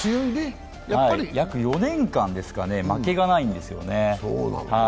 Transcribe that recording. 約４年間ですかね、負けがないんですよね。